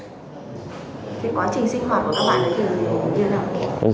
cái quá trình sinh hoạt của các bạn thường như thế nào